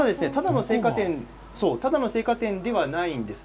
ただの青果店ではないんです。